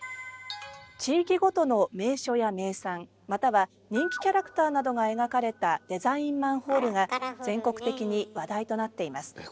地域ごとの名所や名産または人気キャラクターなどが描かれたデザインマンホールが全国的に話題となっています。